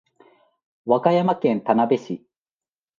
和歌山県田辺市